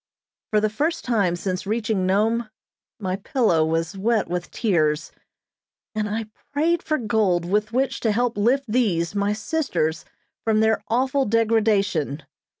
For the first time since reaching Nome, my pillow was wet with tears, and I prayed for gold with which to help lift these, my sisters, from their awful degradation.